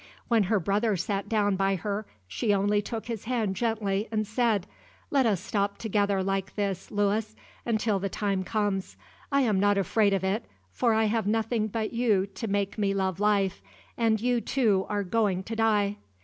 When her brother sat down by her, she only took his hand gently and said: "Let us stop together like this, Louis, till the time comes. I am not afraid of it, for I have nothing but you to make me love life, and you, too, are going to die.